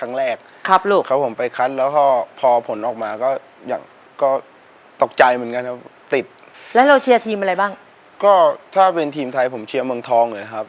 นะครับตอนนี้นะฮะช่วยบวชชีนะครับน้องกำลังตักเป็นถุงที่สี่นะครับ